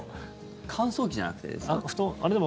乾燥機じゃなくてですか？